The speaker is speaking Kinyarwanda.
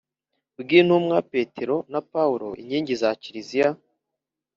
bw’intumwa petero na paulo inkingi za kiliziya,